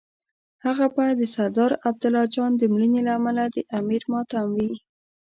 هغه به د سردار عبدالله جان د مړینې له امله د امیر ماتم وي.